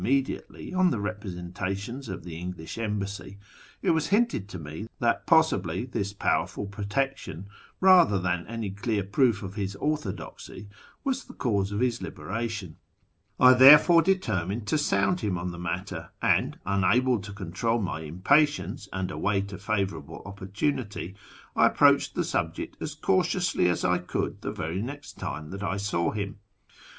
152 A YEAR A MO AG ST THE PERSIANS inodiately on the representations of tlie English l^^nibassy, it was hinted to me that possibly this powcrl'ul luotoctioii, ratlier than any clear proof of his ortliodoxy, was the cause of his liberation. I therefore determined to sound him on the matter, and, unable to control my impatience and await a favourable opportunity, 1 approached the subject as cautiously as I could the very next time that I saw him.